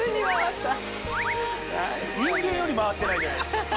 人間より回ってないじゃないですか。